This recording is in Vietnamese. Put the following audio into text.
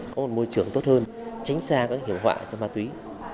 có một môi trường tốt hơn tránh xa các hiểm họa cho ma túy